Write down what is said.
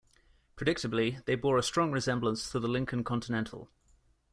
Predictably, they bore a strong resemblance to the Lincoln Continental.